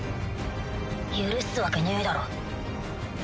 許すわけねぇだろ。